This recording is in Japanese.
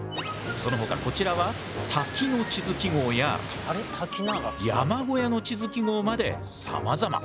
そのほかこちらは滝の地図記号や山小屋の地図記号までさまざま。